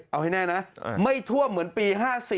เอาให้แน่นะไม่ท่วมเหมือนปี๕๔